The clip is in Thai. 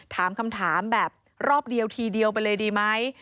ถามคำถามแบบรอบเดียวทีเดียวไปเลยดีไหม